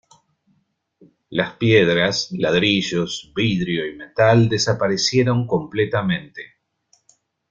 Las piedras, ladrillos, vidrio y metal desaparecieron completamente.